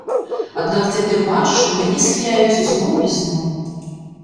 Аднак цяпер бачу, што мяне схіляюць зноў і зноў.